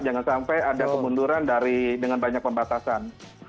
jangan sampai ada kemunduran dengan banyak pembatasan